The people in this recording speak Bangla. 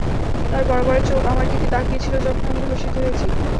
তার বড় বড় চোখ আমার দিকে তাকিয়ে ছিল যখন আমি ধর্ষিত হয়েছি।